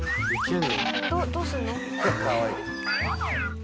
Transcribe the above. どうするの？